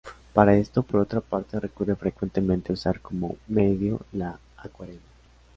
Para esto, por otra parte, recurre frecuentemente a usar como medio la acuarela.